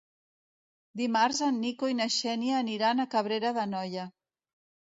Dimarts en Nico i na Xènia aniran a Cabrera d'Anoia.